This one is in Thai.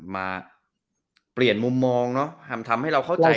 มาเปลี่ยนมุมมองเนาะทำให้เราเข้าใจ